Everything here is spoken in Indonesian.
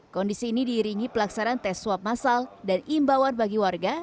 kondisi ini diiringi pelaksanaan tes swab masal dan imbauan bagi warga